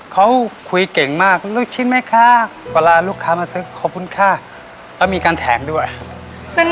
ความเมื่อความเมื่อความเมื่อความเมื่อความเมื่อความเมื่อความเมื่อ